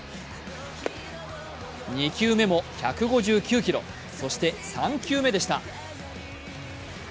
２球目も１５９キロ、そして３球目でした。